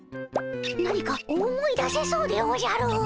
何か思い出せそうでおじゃる。